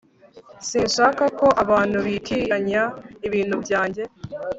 sinshaka ko abantu bitiranya ibintu byanjye